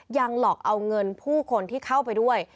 ยังหลอกเอาเงินผู้คนที่เข้าไปด้วย